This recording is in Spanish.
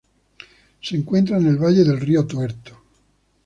Se encuentra en el valle del río Tuerto.